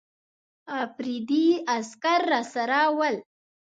افریدي عسکر راسره ول.